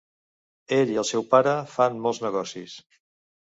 Ell i el seu pare fan molts negocis.